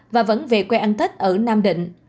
và vẫn về quê ăn tết ở nam định